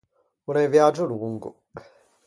O l’é un viægio longo.